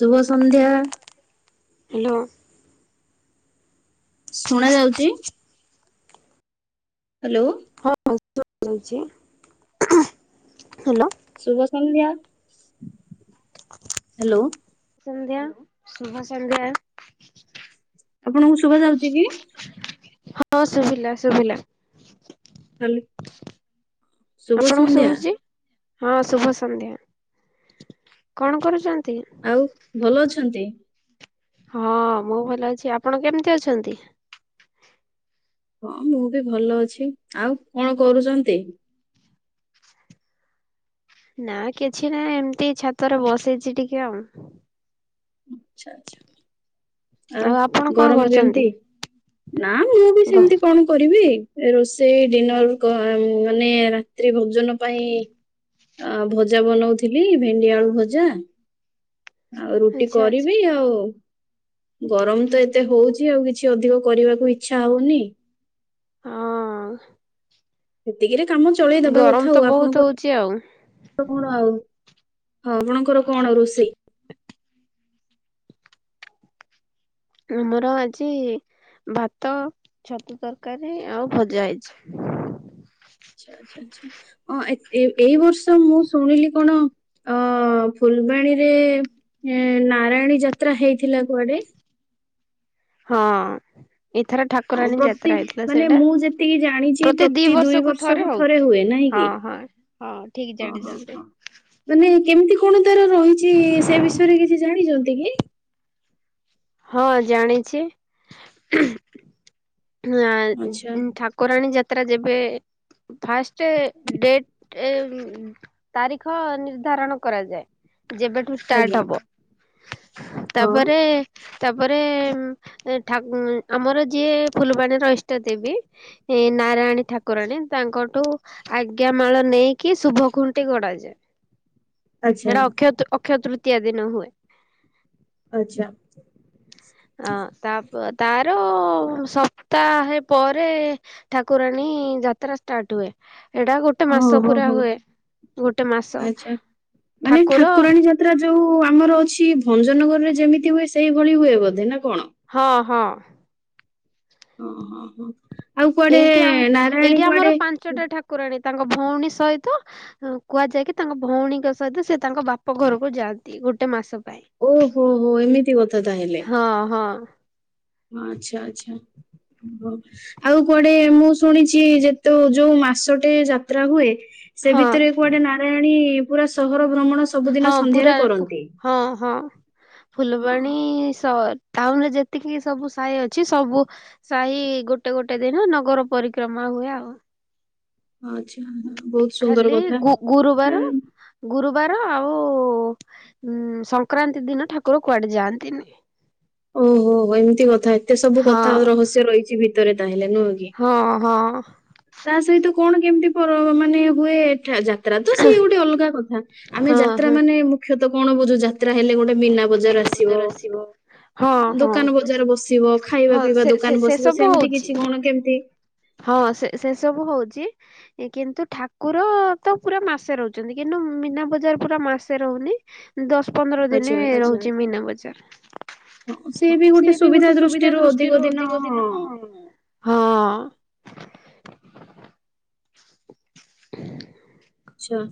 ଶୁଭ ସନ୍ଧ୍ୟା। ହ୍ୟାଲୋ। ଶୁଣା ଯାଉଚି? ହ୍ୟାଲୋ। ହଁ ଶୁଣା ଯାଉଛି। ହ୍ୟାଲୋ। ଶୁଭସନ୍ଧ୍ୟା। ହ୍ୟାଲୋ। ସନ୍ଧ୍ୟା ଶୁଭ ସନ୍ଧ୍ୟା। ଆପଣଙ୍କୁ ଶୁଭା ଯାଉଛି କି? ହଁ ଶୁଭିଲା ଶୁଭିଲା। ହ୍ୟାଲୋ। ଶୁଭ ଆପଣଙ୍କୁ ସନ୍ଧ୍ୟା। ଶୁଭୁଛି? ହଁ ଶୁଭ ସନ୍ଧ୍ୟା କଣ କରୁଛ ଆଉ ଭଲ ଅଛନ୍ତି? ହଁ ମୁଁ ଭଲ ଅଛି। ଆପଣ କେମିତି ଅଛନ୍ତି? ହଁ ମୁଁ ବି ଭଲ ଅଛି। ଆଉ କଣ କରୁଛନ୍ତି? ନା କିଛି ନାହିଁ ଏମତି ଛାତରେ ବସିଛି ଟିକେ ଆଉ। ଆଛା ଆଛା। ଆଉ ଆପଣ କଣ ଗରମ କରୁଛନ୍ତି? କେମିତି? ନା ମୁଁ ବି ଗ ସେମିତି କଣ କରିବି ରୋଷେଇ ଡିନର କ ମାନେ ରାତ୍ରିରେ ଭୋଜନ ପାଇଁ ଅ ଭଜା ବନଉଥିଲି, ଭେଣ୍ଡି ଆଳୁ ଭଜା ଆଉ ରୁଟି ଆଚ୍ଛା ଆଚ୍ଛା କରିବି ଆଉ ଗରମ ତ ଏତେ ହଉଛି ଆଉ କିଛି ଅଧିକ କରିବାକୁ ଇଚ୍ଛା ହଉନି। ହଁ। ସେତିକିରେ କାମ ଚଳେଇ ଦବା ଗରମ କଥା ତ ଆଉ। ବହୁତ ଆପଣଙ୍କ ହଉଛି ଆଉ [unintelligible] ଆଉ। ହଁ ଆପଣଙ୍କର କଣ ରୋଷେଇ? ଆମର ଆଜି ଭାତ, ଛତୁ ତରକାରୀ ଆଉ ଭଜା ହେଇଛି। ଆଚ୍ଛା ଆଚ୍ଛା ଆଚ୍ଛା ହଁ ଏ ଏଇ ବର୍ଷ ମୁଁ ଶୁଣିଲି କଣ ଅ ଫୁଲବାଣୀରେ ଏ ନାରାୟଣୀ ଯାତ୍ରା ହେଇଥିଲା କୁଆଡେ। ହଁ। ଏଇଥର ହଁ, ଠାକୁରାଣୀ ପ୍ରତି ଯାତ୍ରା ହେଇଥିଲା ମାନେ ସେଇଟା। ମୁଁ ଯେତିକି ଜାଣିଛି ପ୍ରତି ଦି ଦୁଇ ବର୍ଷକୁ ଥରେ ହଉଛି। ହୁଏ ନାହିଁ କି ହଁ ହଁ ହଁ ଠିକ ହଁ ହଁ ଜାଣିଛନ୍ତି। ହଁ ମାନେ କେମିତି କଣ ତାର ରହିଛି ସେ ବିଷୟରେ କିଛି ଜାଣିଛନ୍ତି କି? ହଁ ଜାଣିଚି। ଆଚ୍ଛା ନାଇଁ ଠାକୁରାଣୀ ଯାତ୍ରା ଯେବେ ଫାଷ୍ଟ ଡେଟ ଏ ତାରିଖ ନିର୍ଦ୍ଧାରଣ କରାଯାଏ। ଯେବେଠୁ ଷ୍ଟାର୍ଟ ଆଜ୍ଞା ହବ। ହଁ ତାପରେ ତାପରେ ଠା ଆମର ଯିଏ ଫୁଲବାଣୀର ଇଷ୍ଟ ଦେବୀ ନାରାୟଣୀ ଠାକୁରାଣୀ ତାଙ୍କଠୁ ଆଜ୍ଞା ମାଳ ନେଇକି ଶୁଭ ଖୁଣ୍ଟି ଗୋଡାଯାଏ। ଆଚ୍ଛା ସେଟା ଅକ୍ଷୟ ଅକ୍ଷୟ ତୃତୀୟା ଦିନ ହୁଏ। ଆଚ୍ଛା ଅ ତାପ ତାର ସ ତା ହେ ପରେ ଠାକୁରାଣୀ ଯାତ୍ରା ଷ୍ଟାର୍ଟ ହୁଏ। ଏଇଟା ଗୋଟେ ହଁ ମାସ ହଁ ପୁରା ହଁ ହୁଏ। ଗୋଟେ ମାସ ଆଚ୍ଛା ମାନେ ଠାକୁର ଠାକୁରାଣୀ ଯାତ୍ରା ଯୋଉ ଆମର ଅଛି ଭଞ୍ଜନଗରରେ ଯେମିତି ହୁଏ। ସେଇଭଳି ହୁଏ ବୋଧେ ନା କଣ? ହଁ ହଁ। ହଁ ହଁ ହଁ। ଏଇଠି ଆମ ଏଇଠି ଆମର ପାଞ୍ଚଟା ଠାକୁରାଣୀ। ତାଙ୍କ ଭଉଣୀ ସହିତ କୁହାଯାଏ କି ତାଙ୍କ ଭଉଣୀଙ୍କ ସହିତ ସେ ତାଙ୍କ ବାପ ଘରକୁ ଯାଆନ୍ତି। ଗୋଟେ ମାସ। ପାଇଁ। ଓହୋ ହୋ ଏମିତି କଥା ତାହେଲେ। ହଁ ହଁ ହଁ ଆଚ୍ଛା ଆଚ୍ଛା। ଓହୋ ଆଉ କୁଆଡେ ମୁଁ ଶୁଣିଚି ଯେ ତୁ ଯୋଉ ମାସଟେ ଯାତ୍ରା ହୁଏ ସେ ହଁ ଭିତରେ କୁଆଡେ ନାରାୟଣୀ ପୁରା ସହର ଭ୍ରମଣ ସବୁଦିନ ହଁ ପୁରା ସନ୍ଧ୍ୟାରେ କରନ୍ତି। ହଁ ହଁ ହଁ, ଫୁଲବାଣୀ ସହର ଟାଉନରେ ଯେତିକି ସବୁ ସାହି ଅଛି ସବୁ ସାହି ଗୋଟେ ଗୋଟେ ଦିନ ନଗର ପରିକ୍ରମା ହୁଏ ଆଉ। ଆଚ୍ଛା ବହୁତ ସୁନ୍ଦର ଖାଲି କଥା। ଗୁ-ଗୁରୁବାର ଏଁ, ଗୁରୁ ବାର ଆଉ ଉ ଉମ୍ ସଂକ୍ରାନ୍ତି ଦିନ ଠାକୁର କୁଆଡେ ଯାଆନ୍ତିନି। ଓହୋ। ଏମତି କଥା ଏତେ ସବୁ କଥା ଆଉ ହଁ ରହସ୍ୟ ରହିଛି ଭିତରେ ତାହେଲେ। ନୁହଁ କି? ହଁ ହଁ। ତା ସହିତ କଣ କେମତି ପର ମାନେ ହୁଏ ଏଠା ଯାତ୍ ଯାତ୍ରା ତ ସିଏ ଗୋଟେ ଅଲଗା କଥା, ଆମେ ହଁ ଯାତ୍ରା ହଁ। ମାନେ ମୁଖ୍ୟତଃ କଣ ବୁଝୁ ଯା ଯାତ୍ରା ହେଲେ ଗୋଟେ ମୀନା ବଜାର ଆସିବ, ହଁ ହଁ ଦୋକାନ ବଜାର ବସିବ, ଖାଇବା ହଁ ପିଇବା ସେ ସେ ଦୋକାନ ଦୋକାନ ସେ ବସିବ, ସବୁ ସେମିତି ହଉଛି। କିଛି କଣ କେମତି ହଁ ସେ-ସେସବୁ ହଉଛି କିନ୍ତୁ ଠାକୁର ତ ପୁରା ମାସେ ରହୁଛନ୍ତି କିନ୍ତୁ ମୀନା ବଜାର ପୁରା ମାସେ ରହୁନି ଦଶ ଶ ପନ୍ଦର ଦିନି ଆଚ୍ଛା ଆଚ୍ଛା ରହୁଛି ମୀନା ବଜାର। ସିଏ ବି ଗୋଟେ ସୁବିଧା ଦୃଷ୍ଟିରୁ ଅଧିକ ଦିନ ହଁ ହଁ। ହ ଆଚ୍ଛା।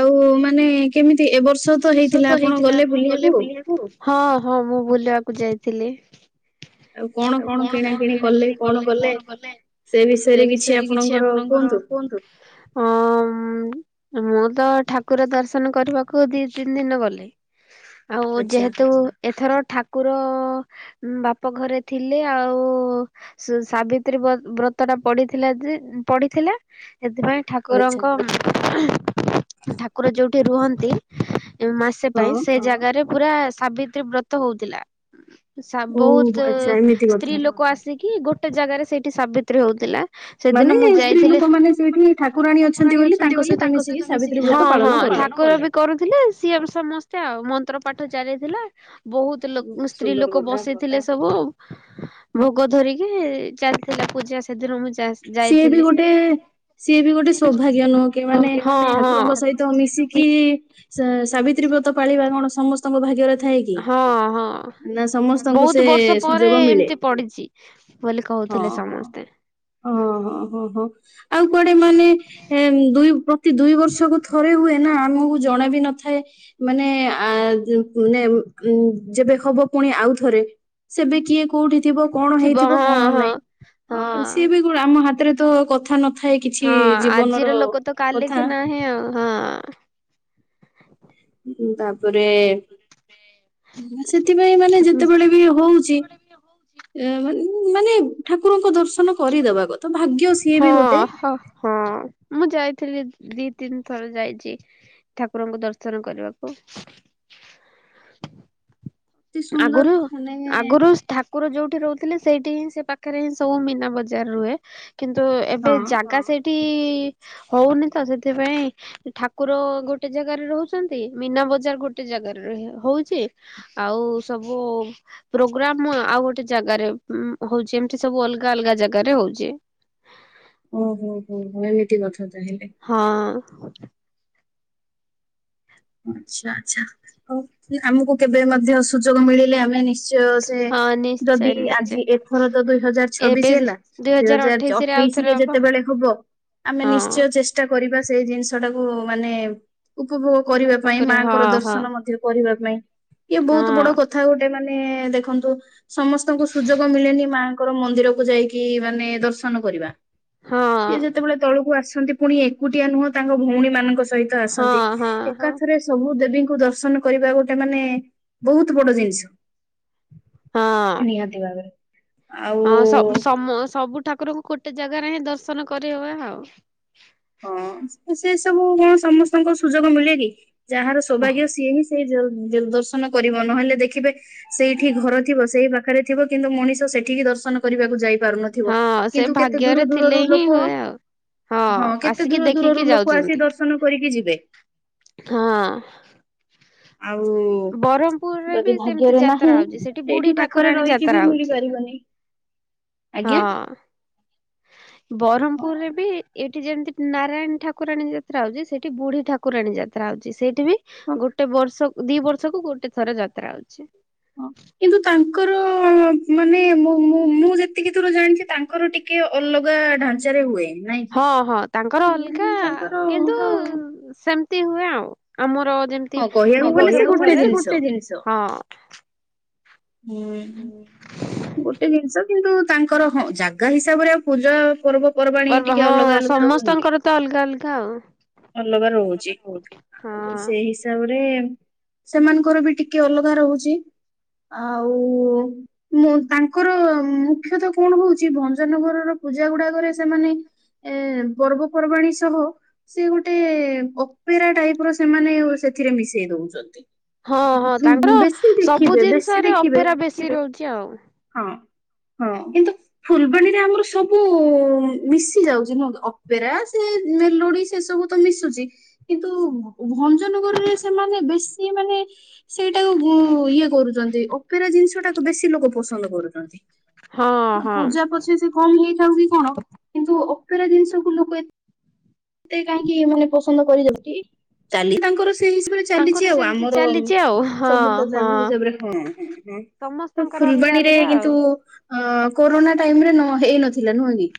ଆଉ ମାନେ କେମିତି ଏବର୍ଷ ବର୍ଷ ତ ହେଇଥିଲା ଆପଣ ଗଲେ ବୁଲିବାକୁ? ହଁ ହଁ ମୁଁ ବୁଲିବାକୁ ଯାଇଥିଲି। ଆଉ କଣ କଣ କିଣା କିିଣି କଲେ କଣ କଲେ? ସେ ବିଷୟରେ କିଛି ଆପଣଙ୍କର କୁହନ୍ତୁ? ହଁ ହୁଁ। ମୁଁ ତ ଠାକୁର ଦର୍ଶନ କରିବାକୁ ଦି ତିନି ଦିନ ଗଲି ଆଉ ଆଚ୍ଛା ଯେହେତୁ ଏଥର ଠାକୁର ଉଁ ବାପ ଘରେ ଥିଲି ଆଉ ସା-ସାବିତ୍ରୀ ବ୍ର-ବ୍ରତଟା ପଡିଥିଲା ଯେ ଯେ ପଡ଼ିଥିଲା ସେଥିପାଇଁ ଆଚ୍ଛା ଠାକୁରଙ୍କ ଠାକୁର ଯୋଉଠି ରୁହନ୍ତି ମାସେ ପାଇଁ ହଁ। ସେ ଜାଗାରେ ପୁରା ସାବିତ୍ରୀ ବ୍ରତ ହଉଥିଲା। ଓ ବହୁତ ଆଚ୍ଛା ଏମିତି ସ୍ତ୍ରୀ କଥା ଲୋକ ଆସିକି ଗୋଟେ ଜାଗାରେ ସେଇଠି ସାବିତ୍ରୀ ହଉଥିଲା ସେଦିନ ମୁଁ ଯାଇଥିଲି ସେ ସ୍ତ୍ରୀ ଲୋକମାନେ ସେଇଠି ଠାକୁରାଣୀ ଅଛନ୍ତି ବୋଲି ତାଙ୍କ ସହିତ ମିଶିକି ହଁ ହଁ। ଠାକୁର ବି କରୁଥିଲେ ସିଏ ବି ସମସ୍ତେ ଆଉ ମନ୍ତ୍ର ପାଠ ଚାଲିଥିଲା ବହୁତ ଲୋ ସୁନ୍ଦର ସ୍ତ୍ରୀଲୋକ କଥା ବସିଥିଲେ ସବୁ, ଭୋ ଗ ଧରିକି, ଚାଲିଥିଲା ପୂଜା ସେଦିନ ହଉଚି ସିଏ ବି ଗୋଟେ ସିଏ ବି ଗୋଟେ ସୌଭାଗ୍ୟ ନୁହଁ କି ମାନେ ଠାକୁରଙ୍କ ସହିତ ମିଶିକି ସା-ସାବିତ୍ରୀ ବ୍ରତ ପାଳିବା କଣ ସମସ୍ତଙ୍କ ଭାଗ୍ୟରେ ଥାଏ କି? ହଁ ହଁ। ନା ସମସ୍ତଙ୍କୁ ସେ ବହୁତ ବର୍ଷ ପରେ ସୁଯୋଗ ମିଳେ ଏମତି ପଡିଚି ବୋଲି କହୁଥିଲେ ସମସ୍ତେ। ଓହ ହୋ ହୋ। ଆଉ କୁଆଡେ ମାନେ ଦୁଇ ପ୍ର ଏମତି ଦୁଇ ବର୍ଷକୁ ଥରେ ହୁଏନା ଆମକୁ ଜଣା ବି ନଥାଏ ମାନେ ଆ ମାନେ ଉଁ ଯେବେ ହବ ପୁଣି ଆଉଥରେ ସେବେ କିଏ କୋଉଠି ଥିବ କଣ ଥିବ ହେଇଥିବ ହଁ କଣ ହଁ ନାଇଁ, ହଁ। ସିଏ ବି ଗୋ ଆମ ହାତରେ ତ କଥା ନ ଥାଏ କିଛି ହଁ ଜୀବନର ଆଜିର ଲୋକ ତ କାଲିକି କଥା ନାହିଁ ଆଉ ହଁ ତାପରେ ସେଥିପାଇଁ ମାନେ ଯେତେବେଳେ ବି ହଉଛି ଏୟା ମାନ୍ ମାନେ ଠାକୁରଙ୍କ ଦର୍ଶନ କରିଦବା କଥା ଭାଗ୍ୟ ସିଏ ବି ଗୋଟେ ଥିଲି ଦି ତିନି ଥର ଯାଇଚି ଠାକୁରଙ୍କୁ ଦର୍ଶନ କରିବାକୁ। [inaudible] ଅତି ସୁନ୍ଦର ଆଗୁରୁ ମାନେ ଆଗୁରୁ ଠାକୁର ଯୋଉଠି ଠି ରହୁଥୁଲେ ସେଇଠି ହିଁ ସେଇ ପାଖରେ ହିଁ ସବୁ ମୀନା ବଜାର ରୁହେ କିନ୍ତୁ ଏବେ ହଁ ଜାଗା ସେଇଠ୍ ବି ହୋଉନି ତ ସେଥିପାଇଁ ଠାକୁର ଗୋଟେ ଜାଗାରେ ରହୁଚନ୍ତି ମୀନା ବଜାର ଗୋଟେ ଜା ରେ ହିଁ ହୋଉଚି। ଆଉ ସବୁ ପ୍ରୋଗ୍ରାମ ଆଉ ଗୋଟେ ଜାଗାରେ ଉଁ-ହୋଉଚି ଏମତି ସବୁ ଅଲଗା ଅଲଗା ଜାଗାରେ ହୋଉଚି। ଓହୋ ହୋ ହୋ ଏମିତି କଥା ତାହେଲେ। ଆା ଆଛା ଆଛା ହୋଉ ଆମକୁ କେବେ ମଧ୍ୟ ସୁଯୋଗ ମିଳିଲେ ଆମେ ଆମେ ନିଶ୍ଚୟ ସେ ହଁ ନିଶ୍ଚୟ ଯଦି ନିଶ୍ଚୟ ଆଜି ଏଥର ତ ଦୁଇ ହଜାର ଏବେ ଛବିଶି ହେଲା ଦୁଇ ହଜାର ଚ ଅଠେଇଶି ରେ ଆଉଥରେ ଅଠେଇଶିରେ ହବ ଯେତେବେଳେ ହବ ଆମେ ହଁ ନିଶ୍ଚୟ ଚେଷ୍ଟା କରିବା ସ୍ ସେଇ ଜିନିଷଟାକୁ ମାନେ ଉପଭୋଗ କରିବା ପାଇଁ ଓକରେ ହଁ ମାଆଙ୍କର ହଁ ଦର୍ଶନ ମଧ୍ୟ କରିବା ପାଇଁ ଇଏ ବୋହୁତୁ ବଡ ହଁ। କଥା ଗୋଟେ ମା ମାନେ ଦେଖନ୍ତୁ ସମସ୍ତଙ୍କୁ ସୁଯୋଗ ମିଳେନି ମାଆଙ୍କର ମନ୍ଦିରକୁ ଯାଇକି ମାନେ ଦର୍ଶନ କରିବା ହଁ। ସିଏ ଯେତେବେଳେ ତଳକୁ ଆସନ୍ତି ପୁଣି ଏକୁଟିଆ ନୁହଁ ତାଙ୍କ ଭୋଉଣୀ ମାନଙ୍କ ସ ସହିତ ହଁ ଆସନ୍ତି ହଁ ହଁ ଏକାଥରେ ସବୁ ଦେ ବୀଙ୍କୁ ଦର୍ଶନ କରିବା ଗୋଟେ ମାନେ ବୋହୁତ ବଡ ଜିନିଷ। ହଁ। ନିହାତି ଭାବରେ ଆଉ ହଁ ସବୁ ସମ ସବୁ ଠାକୁରଙ୍କୁ ଗୋଟେ ଜାଗାରେ ହିଁ ଦର୍ଶନ କରିହୁଏ ଆଉ। ହଁ ଆ ସିଏ ସବୁ କଣ ସମସ୍ତଙ୍କୁ ସୁଯୋଗ ମିଳେ କି ଯାହାର ସୌଭାଗ୍ୟ ସିଏ ହିଁ ସେଇ ଯୋଉ ଯୋଉ ଦର୍ଶନ କରିବ ନହଲେ ଦେଖିବେ ସେଇଠି ଘର ଥିବ ସେଇ ପାଖରେ ଥିବ କିନ୍ତୁ ମଣିଷ ସ ସେଠିକି ଦର୍ଶନ କରିବାକୁ ଯାଇ ପାରୁନଥିବ ହଁ ସେ କିନ୍ତୁ କେତେ ଭାଗ୍ୟରେ ଥିଲେ ଦୂରୁ-ଦୂରରୁ ହିଁ ଲୋକ ହୁଏ ଆଉ। ହଁ ହଁ କେତେ ଆସିକି ଦୂର ଦେଖିକି ଦୂରରୁ ଲୋକ ଆସିକି ଯାଉଛନ୍ତି ଦର୍ଶନ କରିକି ଯିବେ। ହଁ ଆଉ ବ୍ରହ୍ମପୁରରେ ବି ଯଦି ସେମିତି ଭାଗ୍ୟରେ ଯାତ୍ରା ନାହିଁ ହଉଛି ସେଠି ବୁଢୀ ସେଇଠି ପାଖରେ ଠାକୁରାଣୀ ରହିକି ଯାତ୍ରା ବି ହଉଛି ମିଳିପାରିବନି। ହଁ ଆଜ୍ଞା ହଁ ବରମପୁରରେ ବି ଏ ଏଠି ଯେମତି ନାରାୟଣୀ ଠାକୁରାଣୀ ଯାତ୍ରା ହୋଉଚି ସେଠି ବୁଢୀ ଠକୁରାଣୀ ଯାତ୍ରା ହୋଉଚି ସେ ସେଠି ବି ଗୋଟେବର୍ଷ-ଦିବର୍ଷକୁ ଗୋଟେ ଥର ଯାତ୍ରା ହୋଉଚି। ହଁ। କିନ୍ତୁ ତାଙ୍କର ମାନେ ମୁଁ-ମୁଁ-ମୁଁ ଯେତିକି ଦୂର ଜାଣିଚି ତାଙ୍କର ଟିକିଏ ଅଲଗା ଆ ଢାଞ୍ଚାରେ ହୁଏ। ନାଇଁ ହଁ ହଁ ତାଙ୍କର ଅଲଗା କି ତାଙ୍କର କିନ୍ତୁ ସେମତି ହୁଏ ଆଉ ଆମ ହଁ କହିବାକୁ ଗଲେ ସେଇ ଗୋଟେ ଜିନଷ। ହୁଁ ଗୋଟେ ଜିନିଷ। କିନ୍ତୁ ତାଙ୍କର ହଁ ଜାଗା ହିସାବରେ ଆଉ ପୂଜା ପର୍ବ ପର୍ବାଣୀ ପର୍ବ ଟିକେ ଅଲଗା ହଁ ଅଲଗା ରହୁନି କି। ସମସ୍ତଙ୍କର ତ ଅଲଗା ଅଲଗା ଆଉ ଅଲଗା ରହୁଚି ଆଉ ହଁ। ସେଇ ହିସାବରେ ସେମାନଙ୍କର ବି ଟିକେ ଅଲଗା ରହୁଚି। ଆଉ ମୁଁ ତାଙ୍କର ମୁଖ୍ୟତ କଣ ହୋଉଚି ଭଞ୍ଜନଗରର ପୂଜା ଗୁଡ଼ାକରେ ସେମାନେ ଏ ପର୍ବପର୍ବାଣୀ ସହ ସିଏ ଗୋଟେ ଅପେରା ଟାଇପର ସେମାନେ ଓ ସେ ଏଥିରେ ମିଶେଇ ଦୋଉଚନ୍ତି। ହଁ ହଁ ତାଙ୍କର ସବୁ ବେଶୀ ଜିନିଷରେ ଦେଖିବେ ଅପେରା ବେଶୀ ରହୁଚି ଆଉ। ହଁ ହଁ କିନ୍ତୁ ଫୁଲବାଣୀରେ ଆମର ସବୁ ମିଶି ଯାଉଚି ନୁହଁକି ଅପେରା ସିଏ ମେଲୋଡି ସେ ସବ୍ ସବୁତ ମିଶୁଚି କିନ୍ତୁ ଭ-ଭଞ୍ଜନଗରରେ ସେମାନେ ବେଶୀ ମାନେ ସେଇଟାକୁ ଗୁ-ଇଏ କରୁଚନ୍ତି ଅପେରା ଜିନଷଟାକୁ ବେଶୀ ଲୋକ ପସନ୍ଦ କରୁଚନ୍ତି। ହଁ ଆଉ ହଁ ପୂଜା ପଛେ ସେ କମି ହେଇଥାଉ କି କଣ କିନ୍ତୁ ଅପେରା ଜିନିଷକୁ ଲୋକ ଏତ୍ ଏତେ କାହିଁକି ମାନେ ପସନ୍ଦ କରିଚନ୍ତି କି ତାଙ୍କର ସେଇ ହିସାବରେ ତାଙ୍କର ଚାଲିଚି ଆଉ ସେମିତି ଆମର ଚାଲିଛି ଆଉ ହଁ ସମୁଦ୍ର ଯାନ ହଁ। ହିସାବରେ ହୁଏଁ। ତ ସମସ୍ତଙ୍କର ଅଲଗା ଫୁଲବାଣୀରେ ଅଲଗା ଆଉ କିନ୍ତୁ-ଉ-ଉ ଅ-ଅ-ଅ କୋରୋନା ଟାଇମରେ ନ ହେଇ ନଥିଲା ନୁହଁ କି।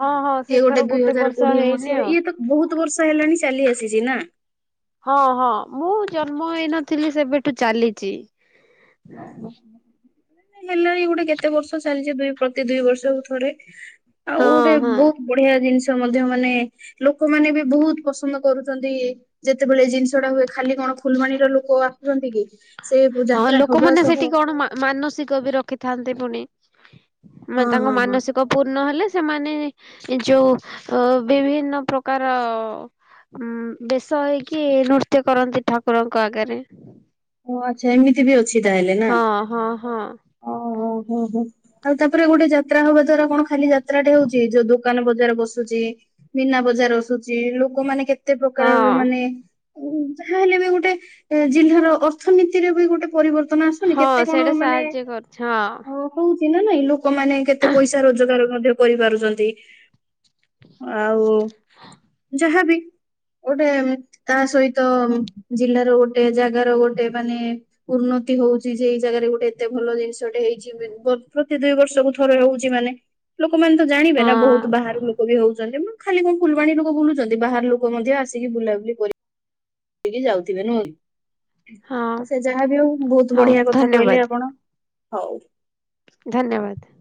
ହଁ ହଁ ସିଏ ସେଥର ଗୋଟେ ଦୁଇ ହଜାର ବର୍ଷ କୋଡିଏ ହେଇନି ମସିହାରେ ଆଉ। ଇଏ ତ ବହୁତ ବର୍ଷ ହେଲାଣି ଚାଲି ଆସିଛି ନା। ହଁ ହଁ ମୁଁ ଜନ୍ମ ହେଇନଥିଲି ସେବେଠୁ ଚାଲିଛି। ହଁ। ହେଲାଣି ଗୋଟେ କେତେ ବର୍ଷ ଚାଲିଛି ଦୁଇ ପ୍ରତି ଦୁଇ ବର୍ଷକୁ ଥରେ। ଆଉ ହଁ ଗୋଟେ ହଁ। ବହୁତ ବଢିଆ ଜିନିଷ ମଧ୍ୟ ମାନେ ଲୋକମାନେ ବି ବହୁତ ପସନ୍ଦ କରୁଛନ୍ତି ଯେତେବେଳେ ଜିନିଷ ଟା ହୁଏ ଖାଲି କ ଫୁଲବାଣୀର ଲୋକ ଆସୁଛନ୍ତି କି ସେ ବ ହଁ ଯାତ୍ରା ହବା ଲୋକମାନେ ସହ ସେଠି କଣ ମା ମାନସିକ ବି ରଖିଥାନ୍ତି ପୁଣି। ମାନେ ହଁ ତାଙ୍କ ହଁ ହଁ। ମାନସିକ ପୂର୍ଣ ହେଲେ ସେମାନେ ଯୋଉ ଅ ବିଭିନ୍ନ ପ୍ରକାର-ଅ-ଅ-ଅ ଉଁ-ଉ ବେଶ ହେଇକି ନୃତ୍ୟ କରନ୍ତି ଠାକୁରଙ୍କ ଆଗରେ। ଓ ଆଚ୍ଛା ଏମିତି ବି ଅଛି ତାହଲେ ନା। ହଁ ହଁ ହଁ ଓହୋ ଆଉ ତାପରେ ଗୋଟେ ଯାତ୍ରା ହବା ଧର କଣ ଖାଲି ଯାତ୍ରା ଟେ ହଉଛି ଯୋଉ ଦୋକାନ ବଜାର ବସୁଛି। ମିନା ବଜାର ବସୁଛି ଲୋକମାନେ କେତେ ପ୍ରକାରର ହଁ ମାନେ ଉ ଯାହାହେଲେ ବି ଗୋଟେ ଏ ଜିଲ୍ଲାର ଅର୍ଥନୀତିରେ ବି ଗୋଟେ ପରିବର୍ତ୍ତ ନ ଆସୁନି ହଁ କେତେ କଣ ସେଇଟା ମାନେ ସାହାଯ୍ୟ କରୁଛି ହଁ। ଚି ନା ନାଇଁ ଲୋକମାନେ କେତେ ପଇସା ରୋଜଗାର ମଧ୍ୟ କରିପାରୁଛନ୍ତି। ଆଉ ଯାହା ବି ଗୋଟେ ତା ସହିତ ଜିଲ୍ଲାର ଗୋଟେ ଜାଗାର ଗୋଟେ ମାନେ ଉନ୍ନତି ହ ହଉଛି ଯେ ଏଇ ଜାଗାରେ ଗୋଟେ ଏତେ ଭଲ ଜିନିଷଟେ ହେଇଛି ପ ପ୍ରତି ଦୁଇ ବର୍ଷକୁ ଥରେ ହଉଛି ମାନେ ଲୋକମାନେ ତ ଜାଣିବେ ହଁ ନା ବହୁତ ବାହାରୁ ଲୋକ ବି ହଉଛନ୍ତି ନା। ଖାଲି କଣ ଫୁଲବାଣୀ ଲୋକ ବୁଲୁଛନ୍ତି ବାହାର ଲୋକ ମଧ୍ୟ ଆସିକି ବୁଲାବୁଲି କରି କି ଯାଉଥିବେ ନୁହ କି। ହଁ ସେ ଯାହା ବି ହଉ ବହୁତ ବଢିଆ କଥା କହିଲେ ଆପଣ ହଉ। ଧନ୍ୟବାଦ।